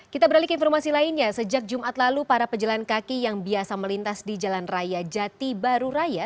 kita beralih ke informasi lainnya sejak jumat lalu para pejalan kaki yang biasa melintas di jalan raya jati baru raya